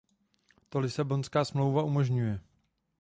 To Lisabonská smlouva umožňuje.